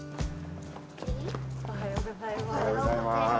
おはようございます。